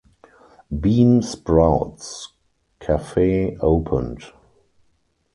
Bean Sprouts cafe opened.